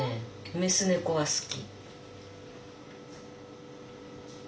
メス猫は好き。